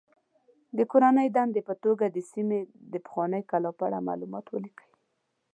د کورنۍ دندې په توګه د سیمې د پخوانۍ کلا په اړه معلومات ولیکئ.